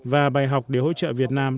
và bài học để hỗ trợ việt nam